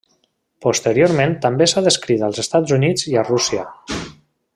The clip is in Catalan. Posteriorment també s'ha descrit als Estats Units i a Rússia.